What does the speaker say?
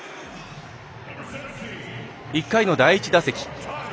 １回の第１打席。